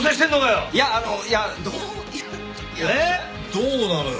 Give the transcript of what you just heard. どうなのよ？